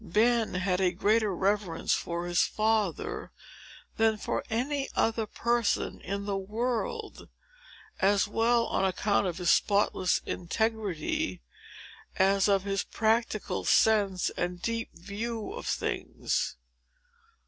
Ben had a greater reverence for his father, than for any other person in the world, as well on account of his spotless integrity, as of his practical sense and deep views of things.